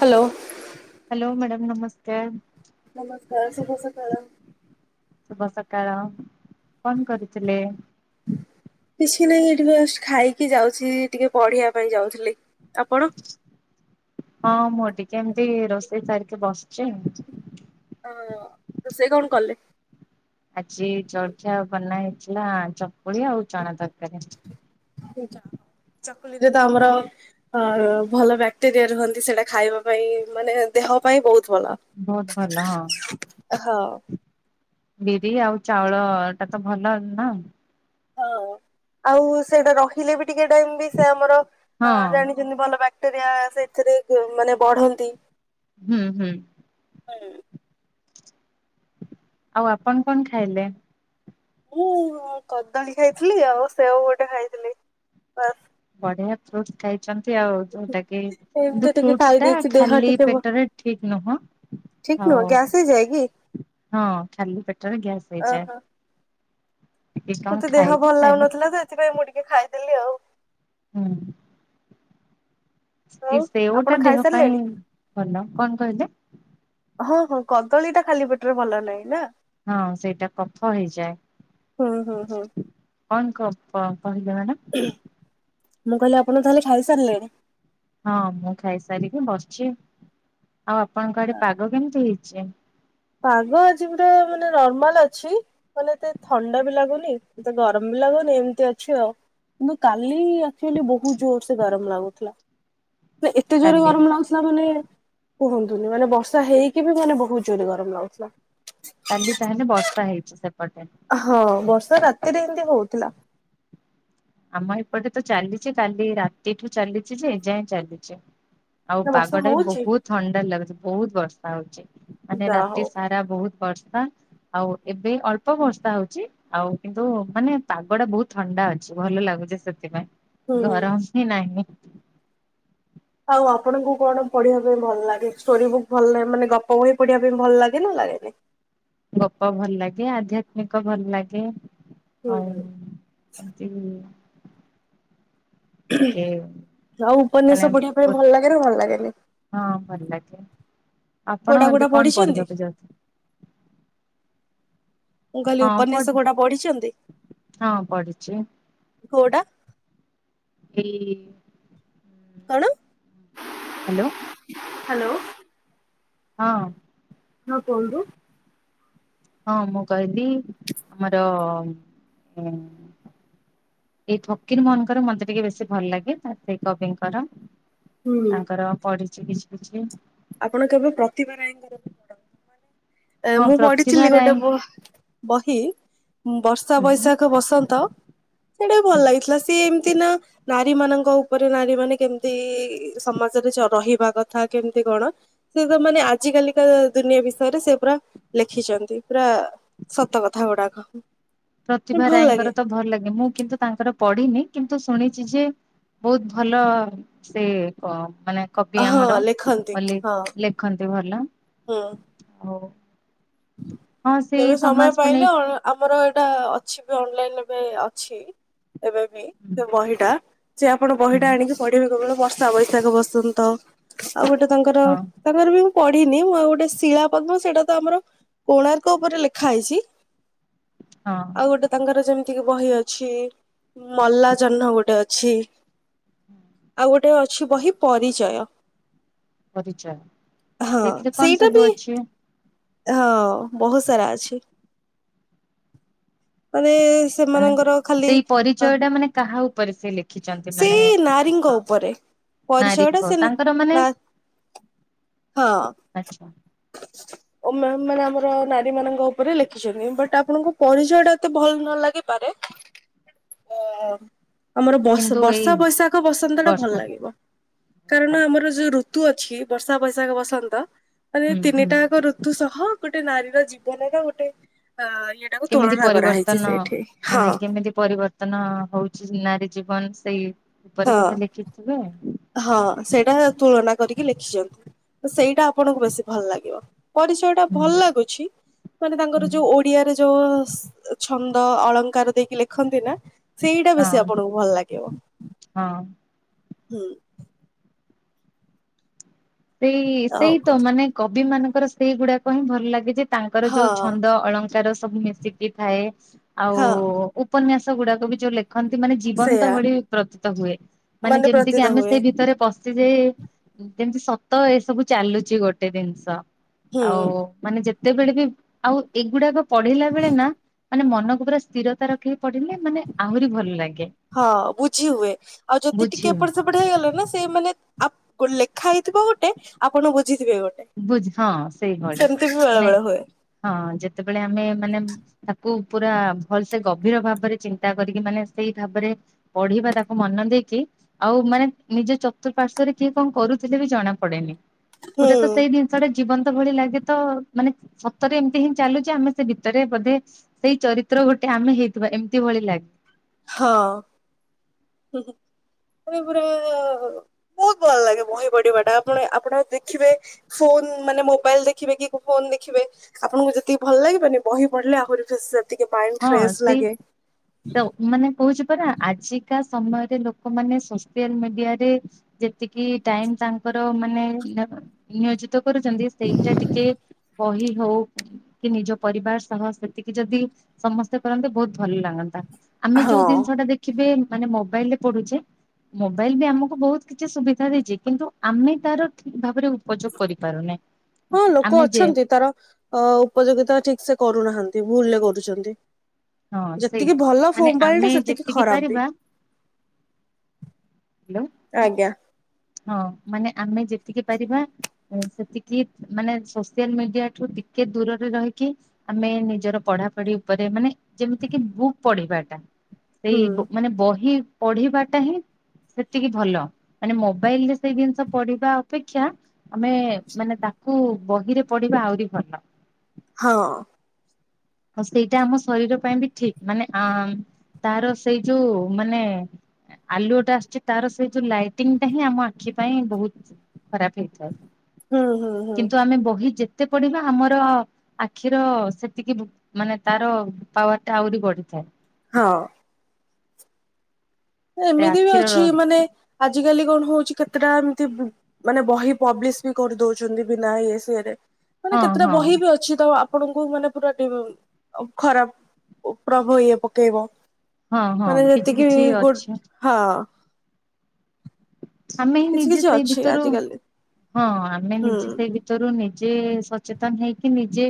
Hello. Hello madam ନମସ୍କାର। ନମସ୍କାର ଶୁଭ ସକାଳ। ଶୁଭ ସକାଳ କଣ କରୁଥିଲେ? କିଛି ନାହିଁ ଏଠି ବାସ ଖାଇକି ଯାଉଛି ଟିକେ ପଢିବା ପାଇଁ ଯାଉଥିଲି। ଆପଣ? ହଁ ମୁଁ ଟିକେ ଏମିତି ରୋଷେଇ ସାରିକି ବସିଛି। ଅ ତ ରୋଷେଇ କଣ କଲେ? ଆଜି ଜଳଖିଆ ବନା ହେଇଥିଲା ଚକୁଳି ଆଉ ଚଣା ତରକାରୀ। ଚକୁଳି ରେ ତ ଆମର ଆ ଭଲ ବ୍ୟାକ୍ଟେରିଆ ରୁହନ୍ତି ସେଇଟା ଖାଇବା ପାଇଁ ମାନେ ଦେହ ପାଇଁ ବହୁତ ଭଲ। ବହୁତ ଭଲ ହଁ। ହଁ। ବିରି ଆଉ ଚାଉଳ ଏଟା ତ ଭଲ ନା। ହଁ ଆଉ ସେଟା ରହିଲେ ବି ଟିକେ ଟାଇମ ବି ସେ ଆମର ହଁ ଜାଣି ଯେମତି ଭଲ ବ୍ୟାକ୍ଟେରିଆ ସେଥିରେ ମାନେ ବଢନ୍ତି। ହୁଁ ହୁଁ। ହଁ। ଆଉ ଆପଣ କଣ ଖାଇଲେ? ମୁଁ କଦଳୀ ଖାଇଥିଲି ଆଉ ସେଓ ଗୋଟେ ଖାଇଥିଲି। ବଢିଆ ଫ୍ରୁଟ ଖାଇଛନ୍ତି ଆଉ ଯୋଉଟା କି ବାସ୍ କିନ୍ତୁ ଏମିତି ଟିକେ ଫ୍ରୁଟସ ଖାଇ ଟା ଦେଇେଇଛି ଦେହ ଖାଲି ଟିକେ ଭ ପେଟରେ ଠିକ ନୁହଁ ଠିକ ଆଉ ନୁହଁ ଗ୍ୟାସ୍ ହେଇଯାଏ କି? ହଁ ଖାଲି ପେଟରେ ଗ୍ୟାସ୍ ହେଇଯାଏ। ଟିକେ କଣ ମୋତେ ଦେହ ଖାଇକି ଭଲ ଖାଇଲେ ଲାଗୁନଥିଲା ତ ସେଥିପାଇଁ ମୁଁ ଟିକେ ଖାଇଦେଲି ଆଉ। ହୁଁ। ଆଉ ଆପଣ ସେଓଟା ଦେହ ପାଇଁ ଖାଇସାରିଲେଣି? ଭଲ କଣ କହିଲେ। ହଁ ହଁ କଦଳୀ ଟା ଖାଲି ପେଟରେ ଭଲ ନାହିଁ ନା। ହଁ ସେଇଟା କଫ ହୁଁ ହୁଁ ହୁଁ ହେଇଯାଏ। କଣ [unintelligible] କହିଲେ ମ୍ୟାଡ଼ାମ। ମୁଁ କହିଲି ଆପଣ ତାହେଲେ ଖାଇ ସାରିଲେଣି। ହଁ ମୁଁ ଖାଇସାରିକି ବସିଛି। ଆଉ ଆପଣଙ୍କ ଆଡେ ପାଗ କେମିତି ହେଇଛି। ପାଗ ଆଜି ପୁରା ମାନେ ନର୍ମାଲ ଅଛି। ମନେ ଏତେ ଥଣ୍ଡା ବି ଲାଗୁନି ଏତେ ଗରମ ବି ଲାଗୁନି ଏମିତି ଅଛି ଆଉ। କିନ୍ତୁ କାଲି ଆଚୁଆଲି ବହୁତ ଜୋର ସେ ଗରମ ଲାଗୁଥିଲା। ତ ଏତେ ଜୋରରେ କାଲି ଗରମ ଲାଗୁଥିଲା। ମାନେ କୁହନ୍ତୁନି, ମାନେ ବର୍ଷା ହେଇକି ବି ମାନେ ବହୁତ ଜୋରେ ଗରମ। [unintelligible] କାଲି ତାହେଲେ ବର୍ଷା ହେଇଛି ସେପଟେ। ହଁ, ବର୍ଷା ରାତିରେ ଏମତି ହଉଥିଲା। ଆମ ଏପଟେ ତ ଚାଲିଛି। କାଲି ରାତିଠୁ ଚାଲିଛି ଯେ ଯାଏଁ ଚାଲିଛି। ଆଉ ନା ବର୍ଷା ପାଗ ଟା ବି ହଉଛି ବହୁତ ଥଣ୍ଡା ଲାଗୁଛି। ବହୁତ ବର୍ଷା ହଉଛି ମାନେ ଯା ରାତି ହଉ ସାରା ବହୁତ ବର୍ଷା। ଆଉ ଏବେ ଅଳ୍ପ ବର୍ଷା ହଉଛି। ଆଉ କିନ୍ତୁ, ମାନେ ପାଗ ଟା ବହୁତ ଥଣ୍ଡା ଅଛି। ଭଲ ଲାଗୁଚେ ସେଥିପାଇଁ, ହୁଁ। ଗରମ ହିଁ ନାହିଁ। ଆଉ ଆପଣଙ୍କୁ କଣ ପଢିବା ପାଇଁ ଭଲ ଲାଗେ। ଷ୍ଟୋରି ବୁକ୍ ଭଲ ଲାଗେ, ମାନେ ଗପ କହି ପଢିବା ପାଇଁ ଭଲ ଲାଗେ ନା ଲାଗେନି? ଗପ ଭଲ ଲାଗେ, ଆଧ୍ୟାତ୍ମିକ ଭଲ ଲାଗେ, ହୁଁ ଆଉ [inaudible] ଟିକେ ଆଉ ମାନେ ଉପନ୍ୟାସ ପଢିବା ପାଇଁ ଭଲ ଲାଗେ ନା, ଭଲ ଲାଗେନି? ହଁ, ଭଲ ଲାଗେ। ଆପଣ କୋଉଟା କୋଉଟା ଏତ କଣ ପଢିଛନ୍ତି ପଢିବାକୁ ଯାଉ ମୁଁ କହିଲି ହଁ ପଢ ଉପନ୍ୟାସ କୋଉଟା ପଢିଛନ୍ତି? ହଁ ପଢିଛି କୋଉଟା? [inaudible] କଣ? ହାଲୋ! ହାଲୋ! ହଁ। ହଁ, କୁହନ୍ତୁ! ହଁ, ମୁଁ କହିଲି ଆମର ଏଇ ଫକିର ମୋହନଙ୍କର ମତେ ଟିକେ ବେଶୀ ଭଲ ଲାଗେ ତ ସେ କବିଙ୍କର ହୁଁ ତାଙ୍କର ପଢିଛି କିଛି କିଛି। ଆପଣ କେବେ ପ୍ରତିଭା ରାୟଙ୍କର ବି ପଢନ୍ତୁ। ମାନେ ହଁ ମୁଁ ପ୍ରତିଭା ପଢିଥିଲି ରାୟ ଗୋଟେ ବହି ବର୍ଷା, ହୁଁ ବୈଶାଖ, ବସନ୍ତ ସେଇଟା ଭଲ ହୁଁ ଲାଗିଥିଲା। ସିଏ ଏମତି ନା ନାରୀ ମାନଙ୍କ ଉପରେ ନାରୀ ମାନେ କେମିତି ସମାଜରେ ରହିବା କଥା କେମିତି କଣ ସେ ତ ମାନେ ଆଜିକାଲି କା ଦୁନିଆ ବିଷୟରେ ସେ ପୁରା ଲେଖିଛନ୍ତି। ପୁରା ସତ କଥା ଗୁଡାକ। ପ୍ରତିଭା ଭଲ ଲାଗେ ରାୟଙ୍କର ତ ଭଲ ଲାଗେ। ମୁଁ କିନ୍ତୁ ତାଙ୍କର ପଢିନି। କିନ୍ତୁ ଶୁଣିଛି ଯେ ବହୁତ ଭଲ ସେ ମାନେ କବି ହଁ ଆମର ଲେଖନ୍ତି ବୋଲି ହଁ ଲେଖନ୍ତି ଭଲ। ଆଉ ହଁ ସେଇ ଏବେ ସମୟ ସମାଜକୁ ପାଇଲେ, ନେଇକି ଆମର ଏଇଟା ଅଛି ବି ଅନଲାଇନ ଏବେ ଅଛି। ଏବେ ବି ସେ ବହିଟା ସେି ଆପଣ ହଁ ବହିଟା ଆଣିକି ପଢିବେ। କେତେବେଳେ ବର୍ଷା, ବୈଶାଖ, ବସନ୍ତ। ଆଉ ଗୋଟେ ତାଙ୍କର ହଁ ତାଙ୍କର ବି ମୁଁ ପଢିନି। ମୁଁ ଆଉ ଗୋଟେ ଶିଳା ପଦ୍ମ ସେଇଟା ତ ଆମର କୋଣାର୍କ ଉପରେ ଲେଖା ହେଇଛି। ହଁ ଆଉ ଗୋଟେ, ତାଙ୍କର ଯେମିତିକି ବହି ଅଛି‌। ମଲା ଜହ୍ନ ଗୋଟେ ଅଛି। ଆଉ ଗୋଟେ ଅଛି ବହି, ପରିଚୟ। ପରିଚୟ! ହଁ ସେଥିରେ କଣ ସେଇଟା ସବୁ ବି ଅଛି? ହଁ, ବହୁତ ସାରା ଅଛି। ମାନେ, ମାନେ ସେମାନଙ୍କର ଖାଲି ସେଇ ପରିଚୟଟା ମାନେ କାହା ଉପରେ ସେ ଲେଖିଛନ୍ତି! ମାନେ ସେଇ ନାରୀଙ୍କ ଉପରେ ନାରୀ ପରିଚୟ ଟା ସେ ତାଙ୍କର ମାନେ! ନା ଆଛା! ମାନେ ଆମର ନାରୀ ମାନଙ୍କ ଉପରେ ଲେଖିଛନ୍ତି। ବଟ୍ ଆପଣଙ୍କ ପରିଚୟ ଟା ମତେ ଭଲ ନ ଲାଗିପାରେ, ଆ ଆମର ବ କିନ୍ତୁ ଏଇ ବର୍ଷା, ବୈଶାଖ, ବସନ୍ତ ଟା ଭଲ ବର୍ଷା ଲାଗିବ। କାରଣ ଆମର ଯୋଉ ଋତୁ ଅଛି। ବର୍ଷା, ବୈଶାଖ, ବସନ୍ତ। ମାନେ ହୁଁ ହୁଁ ତିନିଟାକ ଋତୁ ସହ ଗୋଟେ ନାରୀର ଜୀବନର ଗୋଟେ ଅ ଇଏଟାକୁ କେମିତି ତୁଳନା। କରାହେଇଛି ପରିବର୍ତ୍ତନ ସେଇଠି ହଁ ମାନେ କେମିତି ପରିବର୍ତ୍ତନ? ବତ୍ତନ ହଉଛି ନାରୀ ଜୀବନ ସେଇ ଉପରେ ହଁ। ବୋଧେ ଲେଖିଥିବେ ହଁ ସେଇଟା ତୁଳନା କରିକି ଲେଖିଛନ୍ତି ସେଇଟା ଆପଣଙ୍କୁ ବେଶୀ ଭଲ ଲାଗିବ ପରିଚୟ ଟା ହୁଁ ଭଲ ଲାଗୁଛି ମାନେ ହୁଁ ତାଙ୍କର ଯୋଉ ଓଡିଆରେ ଯୋଉ ଛନ୍ଦ ଅଳଙ୍କାର ଦେଇକି ଲେଖନ୍ତି ନା ସେଇଟା ବେଶୀ ହଁ ଆପଣଙ୍କୁ ଭଲ ଲାଗିବ ହଁ ହୁଁ [unintelligible] ସେଇ ଆଉ ସେଇ ତ କଣ ମାନେ କବି ମାନଙ୍କର ସେଇ ଗୁଡାକ ହିଁ ଭଲ ଲାଗେ ଯେ ତାଙ୍କର ଯୋଉ ହଁ ଛନ୍ଦ ଅଳଙ୍କାର ସବୁ ମିଶିକି ଥାଏ ଆଉ ହଁ। ଉପନ୍ୟାସ ଗୁଡାକ ବି ଯଉ ଲେ ରଖନ୍ତି ମାନେ ଜୀବନ୍ତ ସେଇୟା ଭଳି ପ୍ରତୀତ ହୁଏ ମାନେ ଯେମିତି କି ପ୍ରତୀତ ଆମେ ହୁଏ ସେଇ ଭିତରେ ଯେ ଯେମିତି ସତ ଏସବୁ ଚାଲୁଛି ଗୋଟେ ଜିନିଷ ହୁଁ ଆଉ ମାନେ ଯେତେବେଳେ ବି ଆଉ ଏଗୁଡାକ ପଢିଲା ବେଳେ ନା ମାନେ ମନକୁ ପୁରା ସ୍ଥିରତା ରଖିକି ପଡିଲେ ମାନେ ଆହୁରି ଭଲ ଲାଗେ ହଁ ବୁଝି ହୁଏ ଆଉ ଯଦି ବୁଝି ଟିକେ ଏପଟେ ସେପଟେ ହେଇଗଲା ନା ସେ ମାନେ ଆ ଲେଖା ହେଇଥିବ ଗୋଟେ ଆପଣ ବୁଝିଥିବେ ଗୋଟେ ବୁଝ ହଁ ସେଇଭଳି ସେମିତି ବି ବେଳେ ମାନେ ବେଳେ ହୁଏ ହଁ ଯେତେବେଳେ ଆମେ ମାନେ ତାକୁ ପୁରା ଭଲ ସେ ଗଭୀର ଭାବରେ ଚିନ୍ତା କରିକି ମାନେ ସେଇ ଭାବରେ ପଢିବା ତାକୁ ମନ ଦେଇକି ଆଉ ମାନେ ନିଜ ଚତୁଃପାର୍ଶ୍ଵରେ କିଏ କଣ କରୁଥିଲେ ବି ଜଣା ପଡେନି ହୁଁ ପୁରା ତ ଜିନିଷଟେ ଜୀବନ୍ତ ଭଳି ଲାଗେ ତ ମାନେ ସତରେ ଏମିତି ହିଁ ଚାଲୁଛି ଆମେ ସେ ଭିତରେ ବୋଧେ ସେଇ ଚରିତ୍ର ଗୋଟେ ଆମେ ହେଇଥିବା ଏମିତି ଭଳି ଲାଗେ ହଁ ଏ ପୁରା ବହୁତ ଭଲ ଲାଗେ ବହି ପଢିବାଟା ଆପଣ ଆପଣ ଦେଖିବେ ଫୋନ ମାନେ ମୋବାଇଲ ଦେଖିବେ କି ଫୋନ ଦେଖିବେ ଆପଣଙ୍କୁ ଯେତିକି ଭଲ ଲାଗିବନି ବହି ପଢିଲେ ଆହୁରି ସେତିକି ମାଇଣ୍ଡ ହଁ ପ୍ରେସ ସେଇ ଲାଗେ ତ ମାନେ କହୁଛି ପରା ଆଜିକା ସମୟରେ ଲୋକମାନେ ସୋସିଆଲ ମିଡିଆରେ ଯେତିକି ଟାଇମ ତାଙ୍କର ମାନେ ନିୟୋଜିତ କରୁଛନ୍ତି ସେଇଟା ଟିକେ ବହି ହଉ କି ନିଜ ପରିବାର ସହ ସେତିକି ଯଦି ସମସ୍ତେ କରନ୍ତେ ବହୁତ ଭଲ ଲାଗନ୍ତା ଆମେ ହଁ ଯୋଉ ଜିନିଷ ଟା ଦେଖିବେ ମାନେ ମୋବାଇଲ ରେ ପଢୁଛେ ମୋବାଇଲ ବି ଆମକୁ ବହୁତ କିଛି ସୁବିଧା ଦେଇଛି କିନ୍ତୁ ଆମେ ତାର ଠିକ ଭାବରେ ଉ ପଯୋଗ କରିପାରୁନେ ହଁ ଲୋକ ଆମେ ଯେ ଅଛନ୍ତି ତାର ଅ ଉପଯୋଗିତା ଠିକ ସେ କରୁନାହାନ୍ତି ଭୁଲରେ କରୁଛନ୍ତି ହଁ ସେଇ ଯେତିକି ଭଲ ମାନେ ଭୋବାଇଲଟା ଆମେ ସେତିକି ଯେତିକି ଖରାପ ବି ପାରିବା ହ୍ୟାଲୋ ଆଜ୍ଞା ହଁ ମାନେ ଆମେ ଯେତିକି ପାରିବା ସେତିକି ମାନେ ସୋସିଆଲ ମିଡିଆ ଠୁ ଟିକେ ଦୂରରେ ରହିକି ଆମେ ନିଜର ପଢାପଢି ଉପରେ ମାନେ ଯେମିତି କିି ବୁକ୍ ପଢିବାଟା ସେଇ ହୁଁ ବ ମାନେ ବହି ପଢିବାଟା ହିଁ ସେତିକି ଭଲ ମାନେ ମୋ ମୋବାଇଲରେ ସେଇ ଜିନିଷ ପଢିବା ଅପେକ୍ଷା ଆମେ ମାନେ ତାକୁ ବହିରେ ପଢିବା ଆହୁରି ଭଲ ହଁ ଆଉ ସେଇଟା ଆମ ଶରୀର ପାଇଁ ବି ଠିକ ମାନେ ଆ ତାର ସେଇ ଯୋଉ ମାନେ ଆଲୁଅଟା ଆସୁଛି ତାର ସେଇ ଯୋଉ ଲାଇଟିଙ୍ଗଟା ହିଁ ଆମ ଆଖି ପାଇଁ ବହୁତ ଖରାପ ହେଇଥାଏ ହୁଁ ହୁଁ ହୁଁ କିନ୍ତୁ ଆମେ ବହି ଯେତେ ପଢିବା ଆମର ଆଖିର ସେତିକି ବୁ ମାନେ ତାର ପାୱାର ଟା ଆହୁରି ବଢିଥାଏ। ହଁ [inaudible] ସେ ଏମିତି ବି ଆଖିର ଅଛି ମାନେ ଆଜିକାଲି କଣ ହଉଛି କେତେଟା ଏମିତି ମାନେ ବହି ପବ୍ଲିଶ ବି କରି ଦଉଛନ୍ତି ବିନା ଇଏ ସିଏରେ ମାନେ ହଁ କେତେଟା ହଁ ବହି ବି ଅଛି ତ ଆ ଆପଣଙ୍କୁ ମାନେ ପୁରା [inaudible] ଖରାପ ପ୍ରଭାବ ଇଏ ପକେଇବ ହଁ ହଁ ମାନେ କିଛି ଯେତିକି କିଛି ଗୁଡ୍ ଅଛି ହଁ ଆମେ ହିଁ କିଛି ନିଜେ କିଛି ସେଇ ଅଛି ଭିତରୁ ଆଜିକାଲି ହଁ ଆମେ ହୁଁ ନିଜେ ସେଇ ତରୁ ନିଜେ ସଚେତନ ହେଇକି ନିଜେ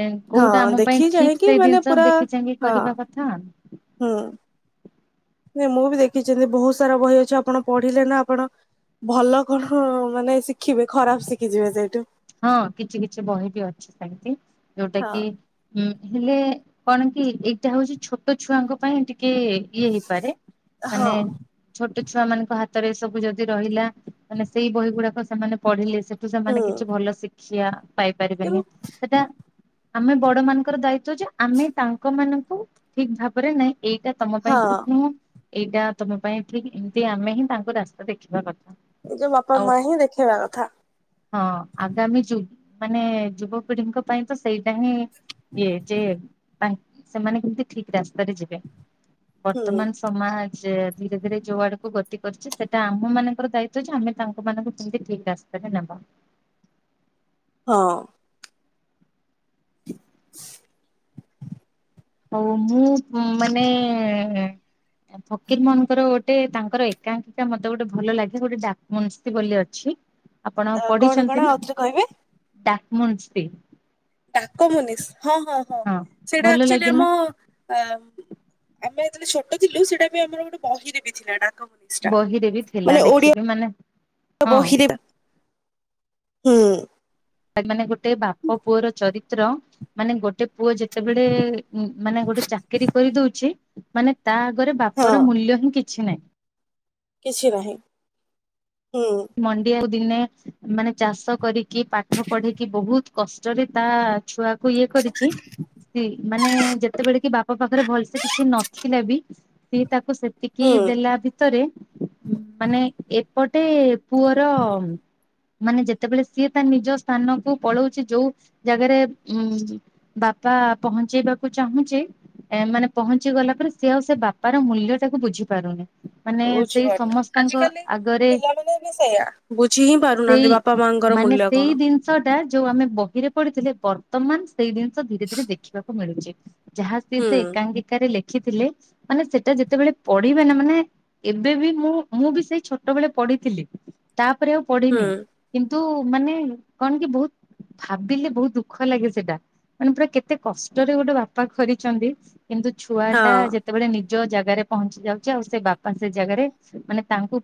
ଏ ହଁ କୋଉଟା ଆମ ପାଇଁ ଦେଖି ଠିକ ଚାହିଁକି ସେଇ ମାନେ ଜିନିଷ ପୁରା ଦେଖି ଚାହିଁକି ହଁ କରିବା କଥା ଆ ହୁଁ ନାଇଁ ମୁଁ ବି ଦେଖିଛି ଏବେ ବହୁତ ସାରା ବହି ଅଛି ଆପଣ ପଢିଲେ ନା ଆପଣ ଭଲ କଣ ମାନେ ଶିଖିବେ ଖରାପ ଶିଖିଯିବେ ସେଇଠୁ ହଁ, କିଛି -କିଛି ବହି ବି ଅଛି ସେମିତି ଯୋଉଟା ହଁ। କି ଉଁ ହେଲେ କଣ କି ଏଇଟା ହଉଛି ଛୋଟ ଛୁଆଙ୍କ ପାଇଁ ଟିକେ ଇଏ ହେଇପାରେ ହଁ ମାନେ ଛୋଟ ଛୁଆ ମାନଙ୍କ ହାତରେ ଏ ସବୁ ଯଦି ରହିଲା ମାନେ ସେଇ ବହି ଗୁଡାକ ସେମାନେ ପଢିଲେ ସେଠୁ ସେମାନେ ହୁଁ କିଛି ଭଲ ଶିକ୍ଷା ପାଇପାରିବେନି କିନ୍ତୁ ସେଟା ଆମେ ବଡ ମାନଙ୍କର ଦାୟିତ୍ବ ଯେ ଆମେ ତାଙ୍କ ମାନଙ୍କୁ ଠିକ ଭାବରେ ନାଇଁ ଏଇଟା ତମ ପାଇଁ ହଁ ଠିକ ନୁହଁ ଏଇଟା ତମ ପାଇଁ ଠିକ ଏମତି ଆମେ ହିଁ ତାଙ୍କୁ ରାସ୍ତା ଦେଖେଇବା କଥା। ନିଜ ବାପା ଆଉ ମା ହିଁ ଦେଖେଇବା କଥା ହଁ, ଆଗାମୀ ଯୁ ମାନେ ଯୁବପିଢିଙ୍କ ପାଇଁ ତ ସେଇଟା ହିଁ ଇଏ ଯେ ନାଇ ସେମାନେ କେମତି ଠିକ ରାସ୍ତାରେ ଯିବେ ହୁଁ। ବର୍ତ୍ତମାନ ସ ସମାଜ ଧୀରେ ଧୀରେ ଯୋଉ ଆଡକୁ ଗତି କରିଛି ସେଇଟା ଆମ ମାନଙ୍କର ଦାୟିତ୍ବ ଯେ ଆମେ ତାଙ୍କ ମାନଙ୍କୁ କେମିତି ଠିକ୍ ରାସ୍ତା କେତେ ନବ ହଁ [unintelligible] ହଉ ମୁଁ ମାନେ ଫକୀର ମୋହନଙ୍କର ଗୋଟେ ଗୋଟେ ତାଙ୍କର ଏକାଙ୍କିକା ମୋତେ ଗୋଟେ ଭଲ ଲାଗେ ଗୋଟେ ଡାକମନଷି ବୋଲି ଅଛି। ଆପଣ କଣ କଣ ପଢିଛନ୍ତି ନା ଆଉଥରେ କହିବେ ଡାକମନଷି ଡାକମନିଷ ହଁ ହଁ ହଁ ସେଇଟା ଭଲ ଆଚୁଆଲି ଲାଗେ ନା ଆମ ଆ ଆମେ ଯେତେବେଳେ ଛୋଟ ଥିଲୁ ସେଟା ବି ଆମର ଗୋଟେ ବହିରେ ବି ଥିଲା ଡାକମନଷି ବହିରେ ବି ଥିଲା ଦେଖିବିମାନେ ହଁ ଉଁ। ଭାଇ ମାନେ ଗୋଟେ ବାପ ପୁଅର ଚରିତ୍ର ମାନେ ଗୋଟେ ପୁଅ ଯେ ଯେତେବେଳେ ମାନେ ଗୋଟେ ଚାକିରିୀ କରିଦଉଛି ମାନେ ତା ଆଗରେ ବାପ ହଁ ର ମୂଲ୍ୟ ହିଁ କି କିଛି ନାହିଁ। କିଛି ନାହିଁ ହୁଁ। ମଣ୍ଡି ଆଉ ଦିନେ ମାନେ ଚାଷ କରିକି ପାଠ ପଢ଼ିକି ବହୁତ କଷ୍ଟରେ ତା ଛୁଆକୁ ଇଏ କରିଚି। ମାନେ ଯେତେବେଳେ କି ବାପା ପାଖରେ ଭଲସେ କିଛି ନଥିଲା ବି ସିଏ ତାକୁ ସେତିକି ହୁଁ। ଦେଲା ଭିତରେ ମାନେ ଏପଟେ ପୁଅର ମାନେ ଯେତେବେଳେ ସିଏ ତା ନିଜ ସ୍ଥାନକୁ ପଳଉଛି ଯୋଉ ଜାଗାରେ ଉ ବାପା ପହଞ୍ଚେଇବାକୁ ଚାହୁଁଚି ଏ ମାନେ ପହଞ୍ଚି ଗଲା ପରେ ସେ ଆଉ ସେ ବାପାର ମୂଲ୍ୟ ଟାକୁ ବୁଝି ପାରୁନି। ମାନେ ସେଇ ବୁଝିପାରୁନି ସମସ୍ତଙ୍କ ଆଜିକାଲି ଆଗରେ [unintelligible] ସେଇଆ ବୁଝି ହିଁ ବା ସେଇ ମାନେ ସେଇ ଦିନ ଷ ଟା ଯୋଉ ଆମେ ବହିରେ ପଢଥିଲେ ବର୍ତ୍ତମାନ ସେଇ ଜିନିଷ ଧୀରେ ଧୀରେ ଦେଖିବାକୁ ମିଳୁଛି। ଯାହା ସିଏ ସେ ହୁଁ। ଏକାଙ୍କିକାରେ ଲେଖିଥିଲେ ମାନେ ସେଟା ଯେତେବେଳେ ପଢିବେ ନା ମାନେ ଏବେ ବି ମୁଁ ମୁଁ ବି ସେଇ ଛୋଟବେଳେ ପଢିଥିଲି। ତାପରେ ଆଉ ହୁଁ ପଢିନି କିନ୍ତୁ ମାନେ କଣ କି ବହୁତ ଭାବିଲେ ବହୁତ ଦୁଃଖ ଲାଗେ ସେଟା ମାନେ ପୁରା କେତେ କଷ୍ଟରେ ଗୋଟେ ବାପା କରିଛନ୍ତି। କିନ୍ତୁ ଛୁଆ ଟା ହଁ। ଯେ ସେତେବେଳେ ନିଜ ଜାଗାରେ ପହଞ୍ଚି ଯାଉଛି ଆଉ ସେ ବାପା ସେ ଜାଗାରେ ମାନେ ତାଙ୍କୁ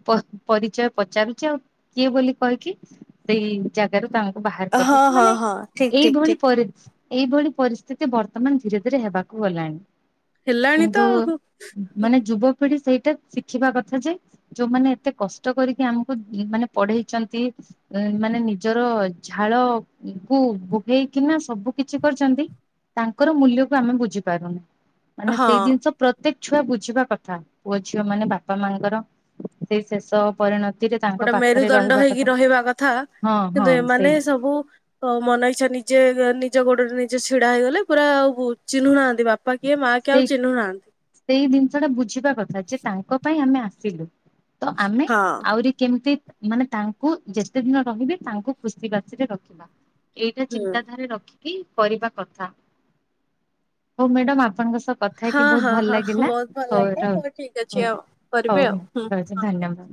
ପରିଚୟ ପଚାରୁଛି ଆଉ କିଏ ବୋଲି କହିକି ସେଇ ଜାଗାରୁ ତା ବାହାର ହଁ କରିଦଉଛି ହଁ ମାନେ ହଁ ଠିକ୍ ଠିକ୍ ଏଇଭଳି ଠିକ୍। ପରେ ଏଇଭଳି ପରିସ୍ଥିତି ବର୍ତ୍ତମାନ ଧୀରେ ଧୀରେ ହେବାକୁ ଗଲାଣି। ହେଲାଣି ତ କିନ୍ତୁ ଆଉ। ମାନେ ଯୁବକ ପିଢି ସେଇଟା ଶିଖିବା କଥା ଯେ ଯୋଉମାନେ ଏତେ କଷ୍ଟ କରି ସେ ଆମକୁ ମାନେ ପଢେଇଛନ୍ତି। ମାନେ ନିଜର ଝାଳ କୁ ଭୋଗେଇକିନା ସବୁ କିଛି କରିଛନ୍ତି। ତାଙ୍କର ମୂଲ୍ୟକୁ ଆମେ ବୁଝିପାରୁନୁ ମାନେ ହଁ ସେଇ ଜିନିଷ ପ୍ରତ୍ୟେକ ଛୁଆ ବୁଝିବା କଥା ପୁଅ ଝିଅମାନେ ବାପା ମାଙ୍କର ସେଇ ଶେଷ ପରିଣତ। ଗୋଟେ ମେରୁଦଣ୍ଡ ହେଇକି ରହିବା କଥା ହଁ ହଁ କିନ୍ତୁ ସେଇ ଏମାନେ ସବୁ ହଉ ମନ ଇଚ୍ଛା ନିଜେ ନିଜ ଗୋଡରେ ନିଜେ ଛିଡା ହେଇଗଲେ ପୁରା ଆଉ ଚିହ୍ନୁନାହାନ୍ତି ବାପା ବାପା କିଏ ମା କିଏ ଆଉ ସେଇ ଚିହ୍ନୁ ନାହାନ୍ତି। ସେଇ ଜିନିଷଟା ବୁଝିବା କଥା ଯେ ତାଙ୍କ ପାଇଁ ଆମେ ଆସିଲୁ। ତ ଆମେ ହଁ। ଆହୁରି କେମିତି ମାନେ ତାଙ୍କୁ ଯେତେ ଦିନ ରହିବେ ତାଙ୍କୁ ଖୁସି ବାସିରେ ରଖିବା। ଏଇଟା ହୁଁ ଚିନ୍ତାଧାରା ରଖିକି କରିବା କଥା। ହୋ ମ୍ୟାଡ଼ାମ ଆପଣଙ୍କ ସହ କ ଥା ହେଇ କି ହଁ ବହୁତ ହଁ ଭଲ ହଁ ଲାଗିଲା ବହୁତ ଭଲ ହଉ ଲାଗିଲା ରହୁ ଠିକ୍ ଅଛି ହଉ ଆଉ କରିବେ ଆଉ ହଉ ହୁଁ। ରହୁଛି ହଉ। ଧନ୍ୟବାଦ।